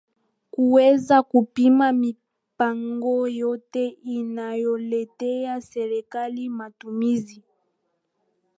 kuweza kupima mipango yote inayoletea serikali matumizi